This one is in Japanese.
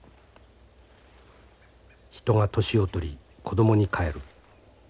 「人が年を取り子供に返る。